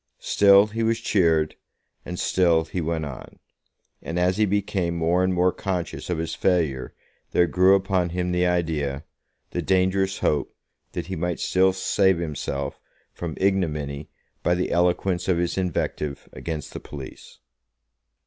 Still he was cheered, and still he went on; and as he became more and more conscious of his failure there grew upon him the idea, the dangerous hope, that he might still save himself from ignominy by the eloquence of his invective against the police.